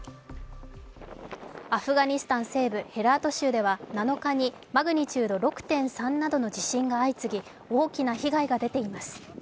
アフガニスタン西部・ヘラート州では７日にマグニチュード６．３などの地震が相次ぎ、大きな被害が出ています。